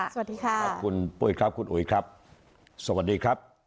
สวัสดีค่ะครับคุณปุ้ยครับคุณอุ๋ยครับสวัสดีครับ